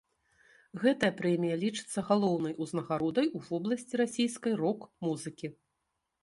Гэтая прэмія лічыцца галоўнай узнагародай у вобласці расійскай рок-музыкі.